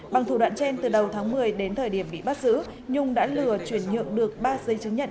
bằng thủ đoạn trên từ đầu tháng một mươi đến thời điểm bị bắt giữ nhung đã lừa chuyển nhượng được ba giấy chứng nhận